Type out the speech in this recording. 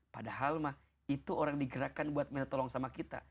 padahal mah itu orang digerakkan buat minta tolong sama kita